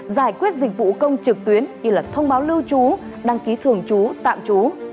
giải quyết dịch vụ công trực tuyến như thông báo lưu trú đăng ký thường trú tạm trú